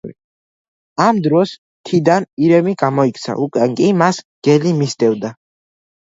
ამ დროს მთიდან ირემი გამოიქცა, უკან კი მას მგელი მისდევდა.